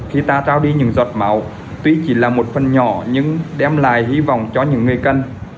khi ta trao đi những giọt máu tuy chỉ là một phần nhỏ nhưng đem lại hy vọng cho những người cần